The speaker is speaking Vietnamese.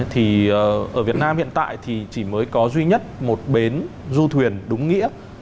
thì ở việt nam hiện tại thì chỉ mới có duy nhất một bến du thuyền đúng nghĩa